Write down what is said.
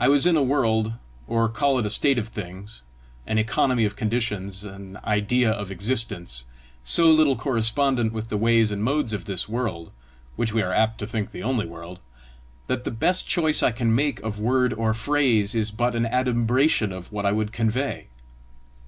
I was in a world, or call it a state of things, an economy of conditions, an idea of existence, so little correspondent with the ways and modes of this world which we are apt to think the only world, that the best choice I can make of word or phrase is but an adumbration of what I would convey.